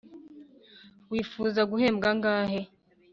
wifuza guhembwa angahe?